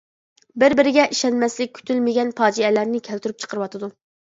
-بىر-بىرىگە ئىشەنمەسلىك كۈتۈلمىگەن پاجىئەلەرنى كەلتۈرۈپ چىقىرىۋاتىدۇ.